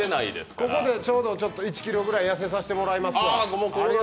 ここでちょうど１ｋｇぐらい痩せさせていただきますわ。